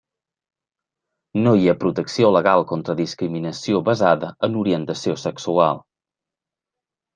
No hi ha protecció legal contra discriminació basada en orientació sexual.